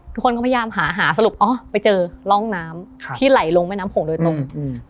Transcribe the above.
ทุกคนก็พยายามหาหาสรุปอ๋อไปเจอร่องน้ำที่ไหลลงแม่น้ำโขงโดยตรงอืม